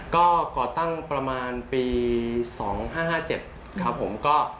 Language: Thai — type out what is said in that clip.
ก็ก่อตั้งประมาณปี๒๕๕๗ครับผมก็